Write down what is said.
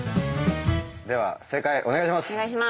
では正解お願いします。